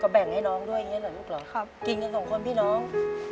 แบ่งให้น้องด้วยอย่างนี้เหรอลูกเหรอครับกินกันสองคนพี่น้อง